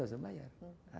gak usah bayar